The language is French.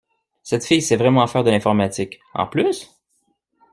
Cette fille sait vraiment faire de l’informatique, en plus?